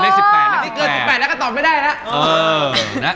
จากสิบแปนแล้วก็ตอนไม่ได้ละ